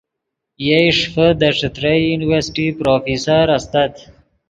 یئے ݰیفے دے ݯتریئی یونیورسٹی پروفیسر استت